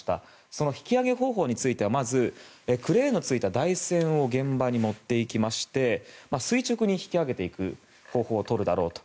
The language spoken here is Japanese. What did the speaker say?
その引き揚げ方法についてはまずクレーンがついた台船を現場に持っていきまして垂直に引き揚げていく方法を取るだろうと。